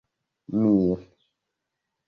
mil